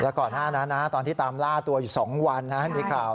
ก่อนหน้านั้นนะตอนที่ตามล่าตัวอยู่๒วันมีข่าว